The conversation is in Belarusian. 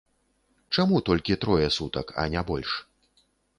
Чаму толькі трое сутак, а не больш?